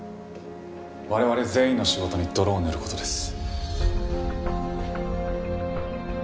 我々全員の仕事に泥を塗る事です。